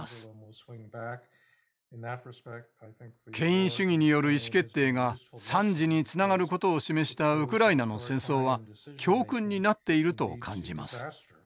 権威主義による意思決定が惨事につながることを示したウクライナの戦争は教訓になっていると感じます。